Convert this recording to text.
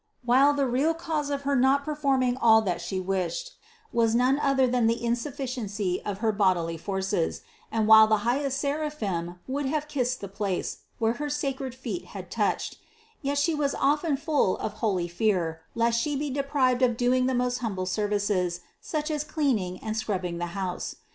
While the real cause of her not performing all that She wished was none other than the insufficiency of her bodily forces, 316 CITY OF GOD and while the highest seraphim would have kissed the place, where her sacred feet had touched; yet She was often full of holy fear lest She be deprived of doing the most humble services, such as cleaning and scrubbing the house.